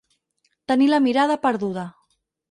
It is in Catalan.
Tenir la mirada perduda.